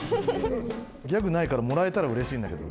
ギャグないからもらえたらうれしいんだけど。